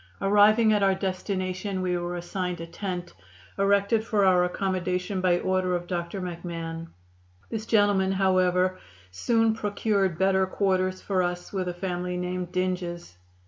Arriving at our destination, we were assigned a tent, erected for our accommodation by order of Dr. McMahon. This gentleman, however, soon procured better quarters for us with a family named Dinges.